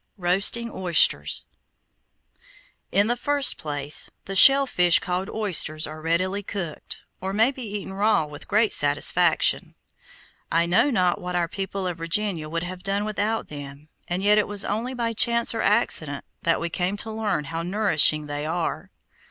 ROASTING OYSTERS In the first place, the shell fish called oysters are readily cooked, or may be eaten raw with great satisfaction. I know not what our people of Virginia would have done without them, and yet it was only by chance or accident that we came to learn how nourishing they are.